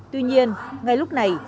tuy nhiên ngay lúc này